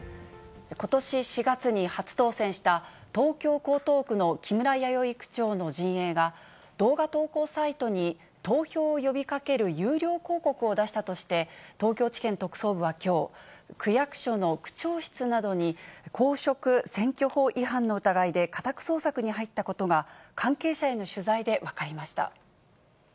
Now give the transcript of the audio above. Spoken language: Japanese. ことし４月に初当選した、東京・江東区の木村弥生区長の陣営が動画投稿サイトに投票を呼びかける有料広告を出したとして、東京地検特捜部はきょう、区役所の区長室などに、公職選挙法違反の疑いで家宅捜索に入ったことが、関係者への取材で分かりました。